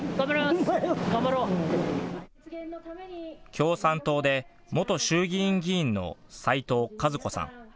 共産党で元衆議院議員の斉藤和子さん。